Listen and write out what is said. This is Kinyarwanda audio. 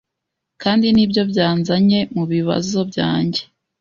Kandi nibyo byanzanye mubibazo byanjye